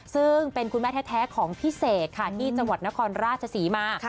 ซึ่งเป็นคุณแม่แท้ของพี่เสกค่ะที่จังหวัดนครราชศรีมา